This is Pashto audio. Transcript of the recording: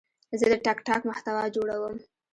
زه د ټک ټاک محتوا جوړوم.